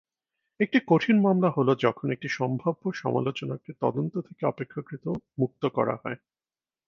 একটি কঠিন মামলা হল যখন একটি সম্ভাব্য সমালোচনাকে তদন্ত থেকে অপেক্ষাকৃত মুক্ত করা হয়।